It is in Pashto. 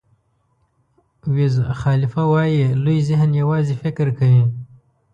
ویز خالیفه وایي لوی ذهن یوازې فکر کوي.